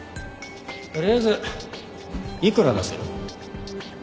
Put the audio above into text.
とりあえずいくら出せる？